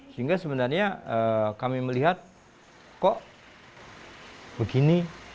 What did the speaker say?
sehingga sebenarnya kami melihat kok begini